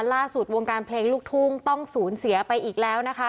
ล่าสุดวงการเพลงลูกทุ่งต้องศูนย์เสียไปอีกแล้วนะคะ